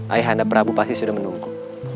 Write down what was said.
ayah anda prabu pasti sudah menunggu